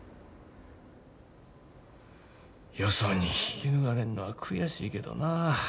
よそに引き抜かれんのは悔しいけどな。